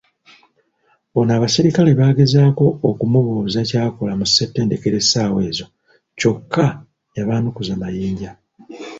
Ono abasirikale baagezaako okumubuuza ky'akola mu ssettendekero essawa ezo kyokka yabaanukuza mayinja.